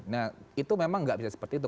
nah itu memang nggak bisa seperti itu